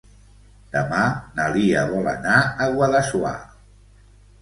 Demà na Lia vol anar a Guadassuar.